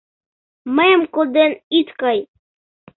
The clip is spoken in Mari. — Мыйым коден ит кай.